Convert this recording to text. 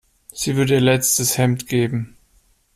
Sie würde ihr letztes Hemd geben.